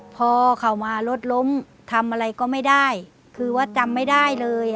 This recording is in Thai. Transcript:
พอเขามารถล้มทำอะไรก็ไม่ได้คือว่าจำไม่ได้เลย